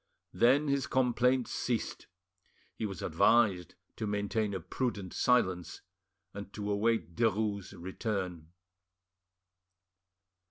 Then his complaints ceased; he was advised to maintain a prudent silence, and to await Derues' return.